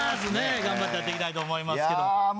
頑張ってやっていきたいと思いますけれども。